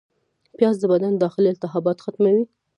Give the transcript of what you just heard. پیاز د بدن داخلي التهابات ختموي